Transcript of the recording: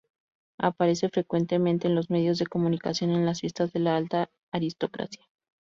Aparece frecuentemente en los medios de comunicación en las fiestas de la alta aristocracia.